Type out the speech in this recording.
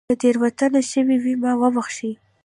که تېروتنه شوې وي ما وبښئ